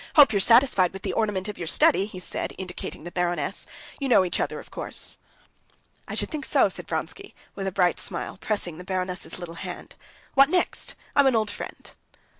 Hope you're satisfied with the ornament of your study," he said, indicating the baroness. "You know each other, of course?" "I should think so," said Vronsky, with a bright smile, pressing the baroness's little hand. "What next! I'm an old friend."